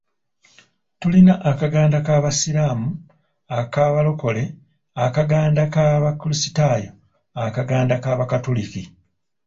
Tulina akaganda k'Abasiraamu, Akabalokole, akaganda k'Abakrisitaayo, akaganda ak'Abakatuliki.